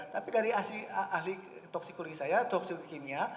tapi dari ahli toksikologi saya toksik kimia